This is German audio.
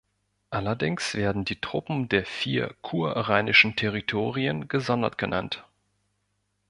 Allerdings werden die Truppen der vier kurrheinischen Territorien gesondert genannt.